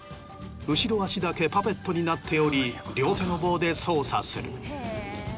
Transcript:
後ろ足だけパペットになっており両手の棒で操作する。